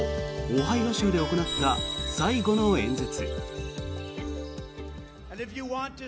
オハイオ州で行った最後の演説。